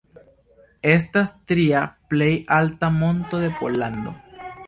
Estas tria plej alta monto de Pollando.